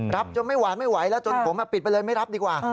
รับจนไม่หวานไม่ไหวแล้วจนผมปิดไปเลยไม่รับดีกว่า